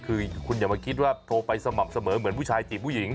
คือคุณอย่ามาคิดว่าโทรไปสม่ำเสมอเหมือนผู้ชายจีบผู้หญิง